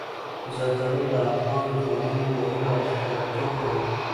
زردالو د افغان ځوانانو د هیلو استازیتوب کوي.